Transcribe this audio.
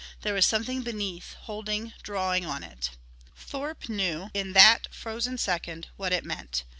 There was something beneath holding, drawing on it. Thorpe knew in that frozen second what it meant.